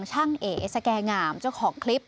ช่างเอ๋สแก่หงามเจ้าของคลิป